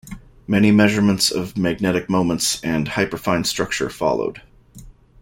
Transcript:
Many measurements of magnetic moments and hyperfine structure followed.